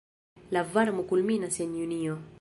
La varmo kulminas en junio.